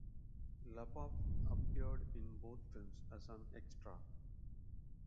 Lupoff appeared in both films as an extra.